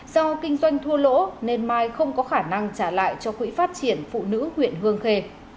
do kinh doanh thua lỗ nên mai không có khả năng trả lại cho quỹ phát triển phụ nữ huyện hương khê